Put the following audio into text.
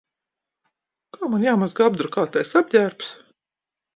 Kā man jāmazgā apdrukātais apģērbs?